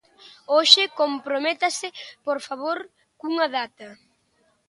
Hoxe comprométase, por favor, cunha data.